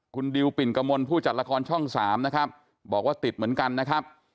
คุณดิวปิ่นกมลผู้จัดละครช่อง๓นะครับบอกว่าติดเหมือนกันนะครับ